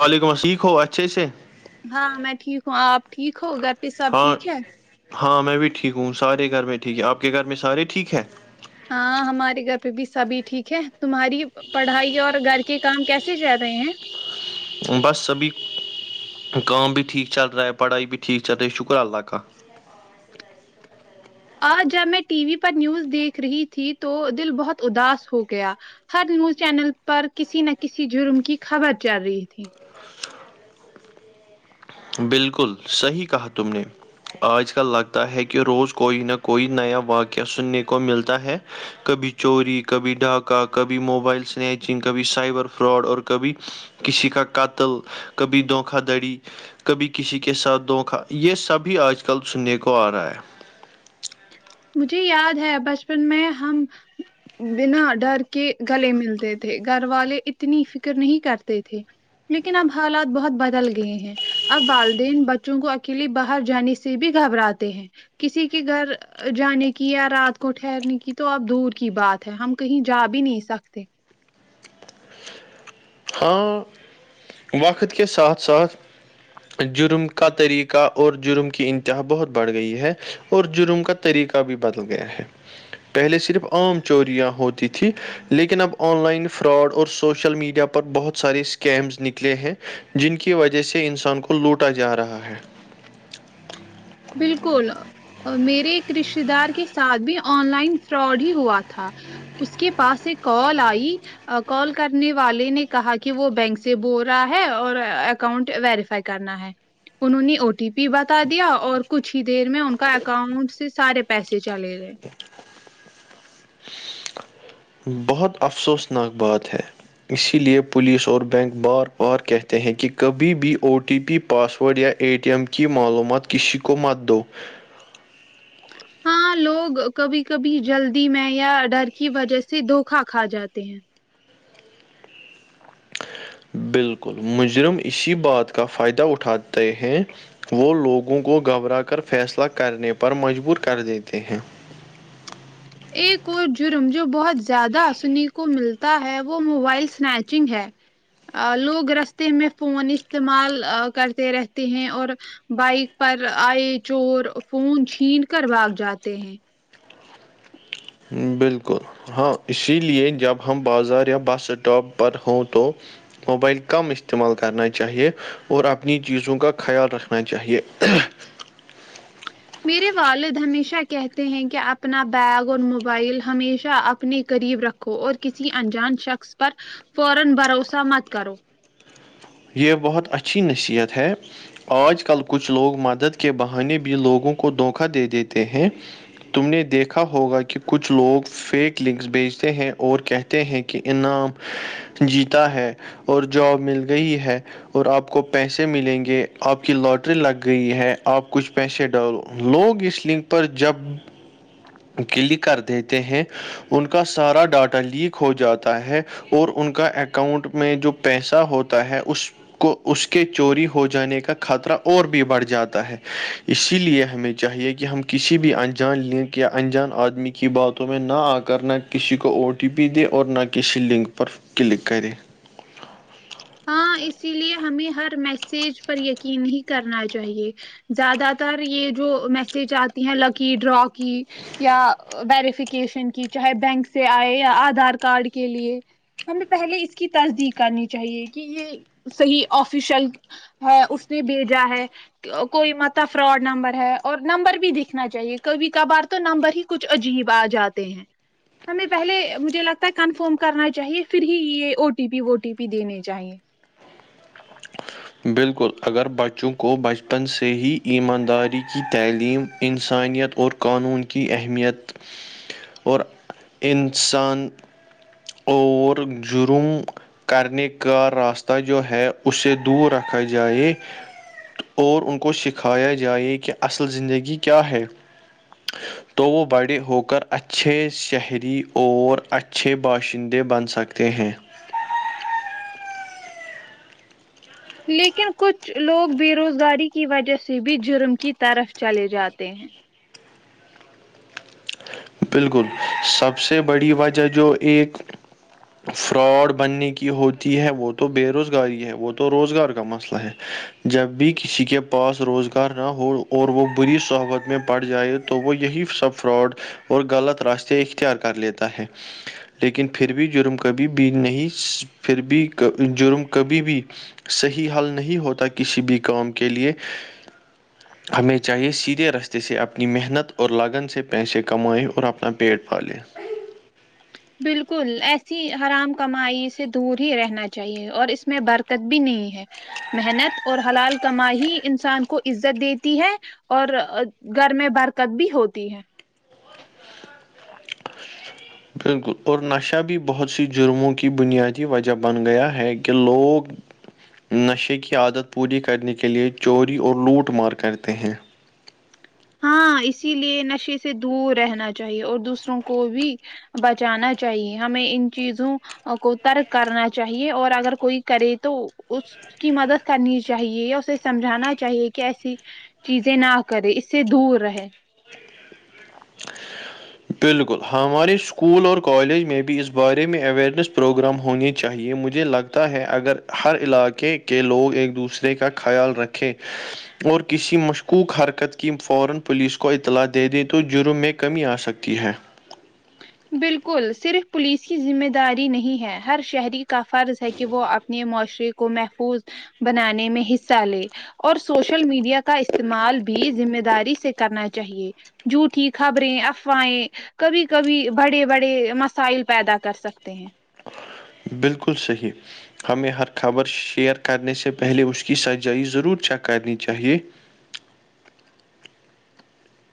وعلیکم علیق ہو اچھے سے ہاں میں ٹھیک ہوں آپ ٹھیک ہو گھر پہ سب ہاں ٹھیک ہے ہاں میں بھی ٹھیک ہوں سارے گھر میں ٹھیک ہے آپ کے گھر میں سارے ٹھیک ہے ہاں ہمارے گھر پہ بھی سبھی ٹھیک ہے تمہاری پڑھائی اور گھر کے کام کیسے جا رہے ہیں بس سبھی کام بھی ٹھیک چل رہا ہے پڑھائی بھی ٹھیک چل رہی ہے شکر اللہ کا آ جب میں ٹی وی پر نیوز دیکھ رہی تھی تو دل بہت اداس ہو گیا ہر نیوز چینل پر کسی نہ کسی جرم کی خبر چل رہی تھی بالکل صحیح کہا تم نے آج کل لگتا ہے کہ روز کوئی نہ کوئی نیا واقعہ سننے کو ملتا ہے کبھی چوری کبھی ڈھاکہ کبھی موبائل سنیچنگ کبھی سائبر فراڈ اور کبھی کسی کا قاتل کبھی دھوکا دھڑی کبھی کسی کے ساتھ دھوکا یہ سبھی آج کل سننے کو آ رہا ہے مجھے یاد ہے بچپن میں ہم بنا ڈر کے گلے ملتے تھے گھر والے اتنی فکر نہیں کرتے تھے لیکن اب حالات بہت بدل گئے ہیں اب والدین بچوں کو اکیلے باہر جانے سے بھی گھبراتے ہیں کسی کے گھر جانے کی یا رات کو ٹھہرنے کی تو اب دور کی بات ہے ہم کہیں جا بھی نہیں سکتے ہاں وقت کے ساتھ ساتھ جرم کا طریقہ اور جرم کی انتہا بہت بڑھ گئی ہے اور جرم کا طریقہ بھی بدل گیا ہے پہلے صرف عام چوریاں ہوتی تھی لیکن اب آن لائن فراڈ اور سوشل میڈیا پر پر بہت سارے اسکیمز نکلے ہیں جن کی وجہ سے انسان کو لوٹا جا رہا ہے بالکل میرے ایک رشتتے دار کے ساتھ بھی آن لائن فراڈ ہی ہوا تھا اس کے پاس ایک کال آئی کال کرنے والے نے کہا کہ وہ بینک سے بول رہا ہے اور اکاؤنٹ ویریفائی کرنا ہے انہوں نے او ٹی پی بتا دیا اور کچھ ہی دیر میں ان کا اکاؤنٹ سے سارے پیسے چلے گئے بہت افسوسناک بات ہے اسی لیے پولیس اور بینک بار بار کہتے ہیں کہ کبھی بھی O T P password یا اے ٹی ایم کی معلومات کسی کو مت دو اور ہاں لوگ کبھی کبھی جلدی میں یا ڈر کی وجہ سے دھوکا کھا جاتے ہیں بالکل مجرم اسی بات کا فائدہ اٹھاتے ہیں وہ لوگوں کو گھبرا کر فیصلہ کرنے پر مجبور کر دیتے ہیں ایک اور جرم جو بہت زیادہ سنے کو ملتا ہے وہ موبائل سنیچنگ ہے لوگ رستے میں فون استعمال کرتے رہتے ہیں اور بائک پر آئے چور فون چھین کر بھاگ جاتے ہیں بالکل ہاں اسی لیے جب ہم بازار یا بس اسٹاپ پر ہوں تو موبائل کم استعمال کرنا چاہیے اور اپنی چیزوں کا خیال رکھنا چاہیے میرے والد ہمیشہ کہتے ہیں کہ اپنا بیگ اور موبائل ہمیشہ اپنے قریب رکھ رکھو اور کسی انجان شخص پر فورا بھروسہ مت کرو یہ بہت اچھی نصیحت ہے آج کل کچھ لوگ مدد کے بہانے بھی لوگوں کو دھوکا دے دیتے ہیں تم نے دیکھا ہوگا کہ کچھ لوگ فیک لنکس بھیجتے ہیں اور کہتے ہیں کہ انعام جیتا ہے اور جاب مل گئی ہے اور آپ کو پیسے ملیں گے آپ کی لاٹری لگ گئی ہے آپ کچھ پیسے ڈالو لوگ اس لنک پر جب کلک کر دیتے ہیں ان کا سارا ڈاٹا لیک ہو جاتا ہے اور ان کا اکاؤنٹ میں جو پیسہ ہوتا ہے اس کو اس کے چوری ہو جانے کا خطرہ اور بھی بڑھ جاتا ہے اسی لیے ہمیں چاہیے کہ ہم کسی بھی انجان لنک یا انجان آدمی کی باتوں میں نہ آ کرنا کسی کو او ٹی پی دے اور نہ کسی لنک پر کلک کرے ہاں اسی لیے ہمیں ہر میسج پر یقین ہی کرنا چاہیے زیادہ تر یہ جو میسج آتی ہیں لکی ڈرا کی یا ویریفکیشن کی چاہے بینک سے آئے یا آدھار کارڈ کے لیے ہمیں پہلے اس کی تصدیق کرنی چاہیے کہ یہ صحیح آفیشل ہے اس نے بھیجا ہے کوئی متب فراڈ نمبر ہے اور نمبر بھی دیککھنا چاہیے کبھی کبھار تو نمبر ہی کچھ عجیب آ جاتے ہیں ہمیں پہلے مجھے لگتا ہے کنفرم کرنا چاہیے پھر ہی یہ او ٹی پی وو ٹی پی دینے چاہیے بالکل اگر بچوں کو بچپن سے ہی ایمانداری کی تعلیم انسانیت اور قانون کی اہمیت اور انسان اور جرم کرنے کا راستہ جو ہے اسے دور رکھا جائے اور ان کو سکھایا جائے کہ اصل زندگی کیا ہے تو وہ بڑے ہو کر اچھے شہری اور اچھے باشندے بن سکتے ہیں لیکن کچھ لوگ بے روزگاری کی وجہ سے بھی جرم کی طرف چلے جاتے ہیں بالکل سب سے بڑی وجہ جو ایک فراڈ بننے کی ہوتی ہے وہ تو بے روزگاری ہے وہ تو روزگار کا مسئلہ ہے جب بھی کسی کے پاس روزگار نہ ہو اور وہ بری صحبت میں پڑ جائے تو وہ یہی سب فراڈ اور غلط راستے اختیار کر لیتا ہے لیکن پھر بھی جرم کبھی بھی نہیں پھر بھی جرم کبھی بھی صحیح حل نہیں ہوتا کسی بھی کام کے لے ہمیں چاہیے سیدھے رستے سے اپنی محنت اور لگن سے پیسے کمائے اور اپنا پیٹ پالے بالکل ایسی حرام کمائی سے دور ہی رہنا چاہیے اور اس میں برکت بھی نہیں ہے محنت اور حلال کمائی انسان کو عزت دیتی ہے اور گھر میں برکت بھی ہوتی ہے بالکل اور نشہ بھی بہت سی جرموں کی بنیادی وجہ بن گیا ہے کہ لوگ نشے کی عادت پوری کرنے کے لیے چوری اور لوٹ مار کرتے ہیں ہاں اسی لیے نشے سے دور رہنا چاہیے اور دوسروں کو بھی بچانا چاہیے ہمیں ان چیزوں کو ترک کرنا چاہیے اور اگر کوئی کرے تو اس کی مدد کرنی چاہیے یا اسے سمجھانا چاہیے کہ ایسی چیزیں نہ کرے اس سے دور رہے بالکل ہمارے اسکول اور کالج میں بھی اس بارے میں اورنیس پروگرام ہونے چاہیے مجھے لگتا ہے اگر ہر علاقے کے لوگ ایک دوسرے کا خیال رکھیں اور کسی مشکوک حرکت کی فورا پولیس کو اطلاع دے دیں تو جرم میں کمی آ سکے تی ہے بالکل صرف پولیس کی ذمہ داری نہیں ہے ہر شہری کا فرض ہے کہ وہ اپنے معاشرے کو محفوظ بنانے میں حصہ لے اور سوشل میڈیا کا استعمال بھی ذمہ داری سے کرنا چاہیے جھوٹھی خبریں افواہیں کبھی کبھی بڑے بڑے مسائل پیدا کر سکتے ہیں بالکل صحیح ہمیں ہر خبر شیئر کرنے سے پہلے اس کی سجائی ضرور چیک کرنی چاہیے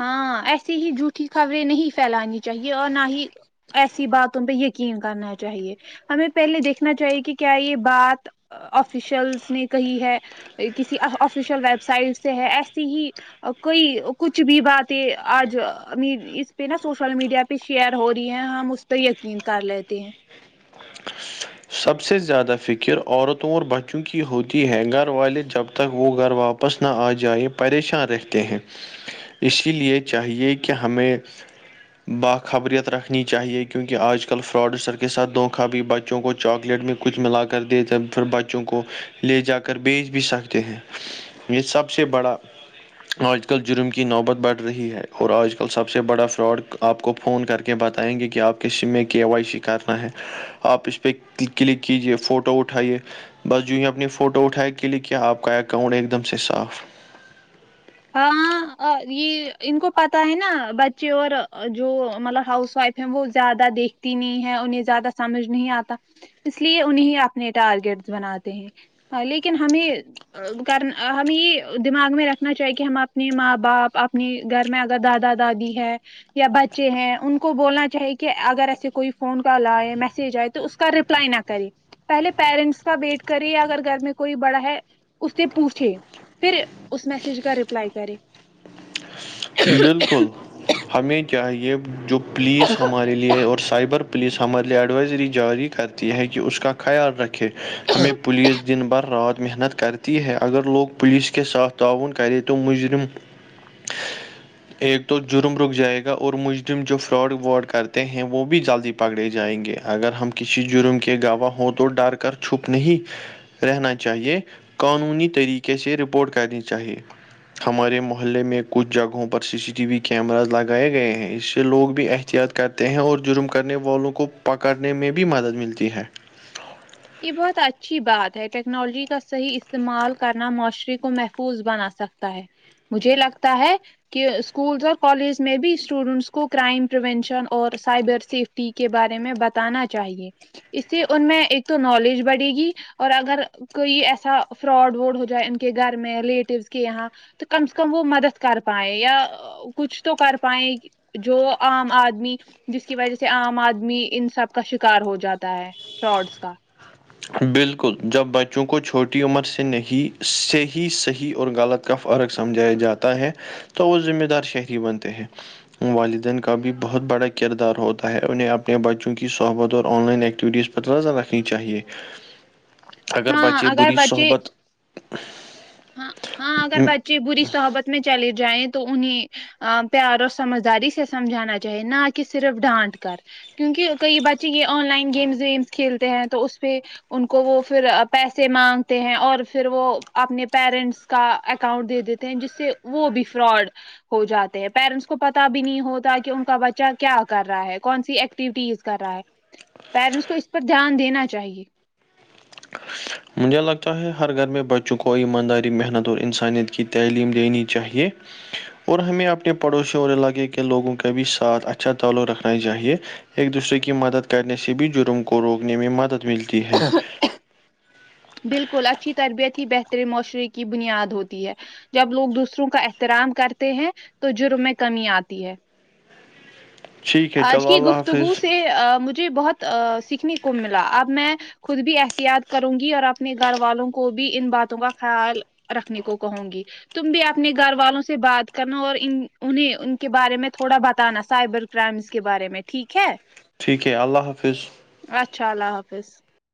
ہاں ایسی ہی جھوٹیھی خبریں نہیں پھیلانی چاہیے اور نہ ہی ایسی باتوں پہ یقین کرنا چاہیے ہمیں پہلے دیکھنا چاہیے کہ کیا یہ بات آفیشلس نے کہی ہے کسی آفیشیل ویب سائٹ سے ہے ایسی ہی کوئی کچھ کچھ بھی باتیں آج اس پہ نا سوشل میڈیا پہ شیئر ہو رہی ہیں ہم اس تو یقین کر لیتے ہیں سب سے زیادہ فکر عورتوں اور بچوں کی ہوتی ہے گھر والے جب تک وہ گھر واپ واپس نہ آ جائے پریشان رہتے ہیں اسی لیے چاہیے کہ ہمیں باخبریت رکھنی چاہیے کیونکہ آج کل فراڈ سر کے ساتھ د خوابی بچوں کو چاکلیٹ میں کچھ ملا کر دےتے پھر بچوں کو لے جا کر بیچ بھی سکتے ہیں یہ سب سے بڑا آج کل جرم کی نوبت بڑھ رہی ہے اور آج کل سب سے بڑا فراڈ آپ کو فون کر کے بتائیں گے کہ آپ کے سیم میں کی وائی سی کرنا ہے آپ اس پ اس پہ کلک کیجیے فوٹو اٹھائیے بس جویں اپنی فوٹو اٹھائے کلک کیا آپ کا اکاؤنٹ ایک دم سے صاف ہاں یہ ان کو پتا ہے نا بچے اور جو مطلب ہاؤس وائف ھر وہ زیادہ دیکھتی نہیں ہے انہیں زیادہ سمجھ نہیں آتا اس لیے انہیں اپنے ٹارگیٹ بناتے ہیں ہاں لیکن ہمیں کرنا ہمیں دماغ میں رکھنا چاہیے کہ ہم اپنے ماں باپ اپنے گھر میں اگر دادا دادی ہے یا بچے ہیں ان کو بولنا چاہیے کہ اگر ایسے کوئی فون کال آئے میسج آئے تو اس کا ریپلائی نہ کرے پہلے پیرنٹس کا ویٹ کرے اگر گھر میں کوئی بڑا ہے اس سے پوچھے پھر اس میسج کا رپلائی کرے بالکل ہمیں چاہیے جو پولیس ہمارے لیے اور سائبر پولیس ہمارے لیے ایڈوائزری جاری کرتی ہے کہ اس کا خیال رکھے ہمیں پولیس دن بھر رات محنت کرتی تی ہے اگر لوگ پلیس کےے ساتھ تعاون کرے تو مجرم ایک تو جرم رک جائے گا اور مجرم جو فراڈ ورڈ کرتے ہیں وہ بھی جلدی پکڑے جائیں گے اگر ہم کسی جرم کے گواہ ہوں تو ڈر کر چھپ نہیں رہنا چاہیے قانونی طریقے سے رپورٹ کرنی چاہیے ہمارے محلے میں کچھ جگہوں پر پر C C T V cameras لگائے گئے ہیں اس سے لوگ بھی احتیاط کرتے ہیں اور جرم کرنے والوں کو پکڑنے میں بھی مدد ملتی ہے یہ بہت اچھی بات ہے ٹیکنالوجی کا صحیح استعمال کرنا معاشرے کو محفوظ بنا سک ہے مجھے لگتا ہے کہ اسکولس اور کالج میں بھی اسٹوڈینٹس کو کرائم پرریینشن اور سائبر سیفٹی کے بارے میں بتانا چاہیے اسی ان میں ایک تو نالج بڑھے گی اور اگر کوئی ایسا فراڈ وورڈ ہو جائے ان کے گھر میں ریلیٹیوس کے یہاں تو کم سے کم وہ مدد کر پائے یا کچھ تو کر پائائے جو عام آدمی جس کی وجہ سے عام آدمی ان سب کا شکار ہو جاتا ہے فراڈس کا بالکل جب بچوں کو چھوٹی عمر سے نہیں صحیح صحیح اور غلط کا فرق سمجھایا جاتا ہے تو وہ ذمہ دار شہری بنتے ہیں والدین کا بھی بہت بڑا کردار ہوتا ہے انہیں اپنے بچوں کی صحبت اور آن لائن ایکٹیویٹیز ظ رکھنی چاہیے اگر ہاں بچے بری بچے صحبت ہاں ہاں اگر بچے بری صحبت میں چلے جائیں تو انہیں ا پیار اور سمجھداری سے سمجھانا چاہیے نہ کہ صرف ڈانٹ کر کیونکہ کئی بچے یہ آن لائن گیمز ویمس کھیلتے ہیں تو اس پہ ان کو وہ پھر پیسے مانگتے ہیں اور پھر وہ اپنے پیرنٹس کا اکاؤنٹ دے دیتے ہیں جس سے وہ بھی فراڈ ہو جاتے ہیں پیرنٹس کو پتا بھی نہیں ہوتا کہ ان کا بچہ کیا کر رہا ہے کون سی ایک ایکٹیوٹیز کر رہا ہے پیرنٹس کو اس پر دھیان دینا چاہیے مجھے لگتا ہے ہر گھر میں بچوں کو ایمانداری محنت اور انسانیت کی تعلیم دینی چاہیے اور ہمیں اپنے پڑوسی اور علاقے کے لوگوں کا بھی ساتھ اچھا تعلق رکھنا چاہیے ایک دوسرے کی مدد کرنے سے بھی جرم کو روکنے میں مدد ملتی ہے بالکل اچھی تربیت ہی بہتری معاشرے کی بنیاد ہوتی ہے جب لوگ دوسروں کا احترام کرتے ہیں تو جرم میں کمی آتی ہے ٹھیک ہے آج چلو کی اللہ گفتگو حافظ سے مجھے بہت سیکھنے کو ملا اب میں خود بھی احتیاط کروں گی اور اپنے گھر والوں کو بھی ان باتوں کا خیال رکھنے کو کہوں گی تم بھی اپنے گھر والوں سے بات کرنا اور ان انہیں ان کے بارے میں تھوڑا بتانا سائبر کرائمس کے بارے میں ٹھیک ہے ٹھیک ہے اللہ حافظ اچھا اللہ حافظ